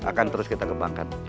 akan terus kita kembangkan